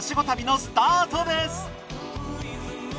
旅のスタートです！